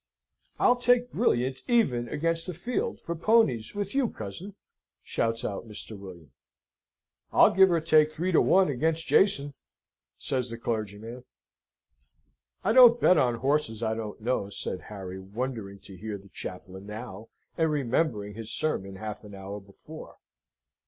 "I'll take Brilliant even against the field, for ponies with you, cousin!" shouts out Mr. William. "I'll give or take three to one against Jason!" says the clergyman. "I don't bet on horses I don't know," said Harry, wondering to hear the chaplain now, and remembering his sermon half an hour before.